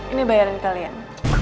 ini bayaran kalian